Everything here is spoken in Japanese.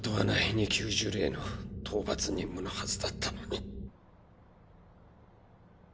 ２級呪霊の討伐任務のはずだったのに。